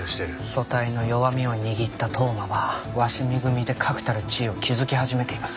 組対の弱みを握った当麻は鷲見組で確たる地位を築き始めています。